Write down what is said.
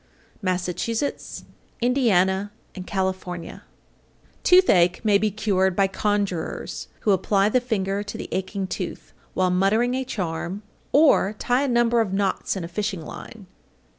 Massachusetts, Indiana, and California. 831. Toothache may be cured by conjurers, who apply the finger to the aching tooth, while muttering a charm, or tie a number of knots in a fishing line.